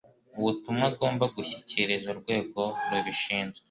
ubutumwa agomba gushyikiriza urwego rubishinzwe